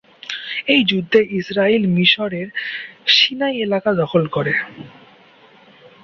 এই যুদ্ধে ইসরাইল মিসরের সিনাই এলাকা দখল করে।